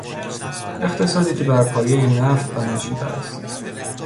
اقتصادی که بر پایهی نفت بنا شده است